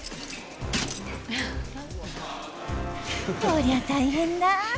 こりゃ大変だ。